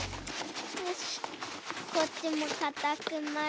よしこっちもかたくまいて。